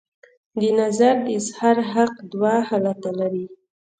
د نظر د اظهار حق دوه حالته لري.